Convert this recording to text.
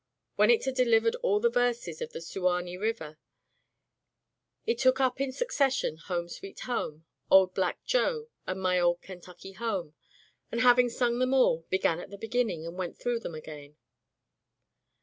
When it had delivered all the verses of the "Suwanee River," it took up in succession "Home, Sweet Home," "Old Black Joe," and "My Old Kentucky Home"; and hav ing sung them all, began at the beginning and went through them again.